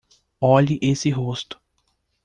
Olhe esse rosto.